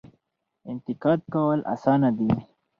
انتقاد کول اسانه دي.